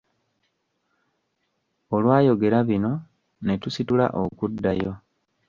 Olwayogera bino ne tusitula okuddayo.